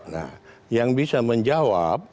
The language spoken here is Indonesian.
nah yang bisa menjawab